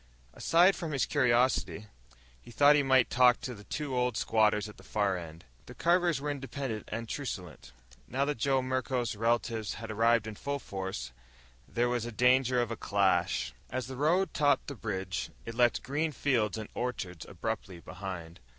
Aside from his curiosity, he thought he might talk to the two old squatters at the far end. The Carvers were independent and truculent. Now that Joe Merklos' relatives had arrived in full force, there was danger of a clash. As the road topped the ridge, it left green fields and orchards abruptly behind.